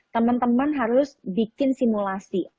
temen temen harus bikin simulasi